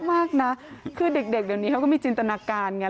มากนะคือเด็กเดี๋ยวนี้เขาก็มีจินตนาการไง